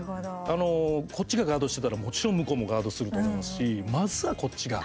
あの、こっちがガードしてたらもちろん向こうもガードすると思いますしまずはこっちが。